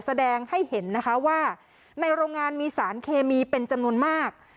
แสดงให้เห็นนะคะว่าในโรงงานมีสารเคมีเป็นจำนวนมาก